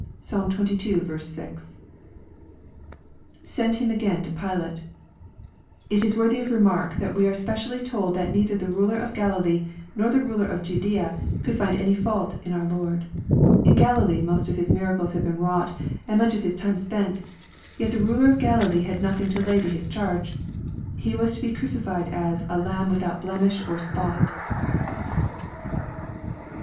(Psalm xxiL 6.) [Sent him a^ain to Pilate,] It is wortliy of remark that we are specially told that neither the ruler of G alilee, nor the ruler of Ju daea, could find any fault in our Lord. In Galilee most of His miracles had been wrought, and much of His time spent. Yet the ruler of Galilee had nothing to lay to His charge. He was to be crucified as " a lamb without blemish or spot" • 12.